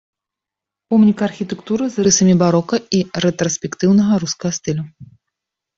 Помнік архітэктуры з рысамі барока і рэтраспектыўна-рускага стылю.